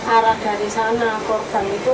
arah dari sana korban itu